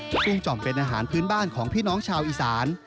กุ้งจ่อมเป็นอาหารพื้นบ้านของพี่น้องชาวอีสาน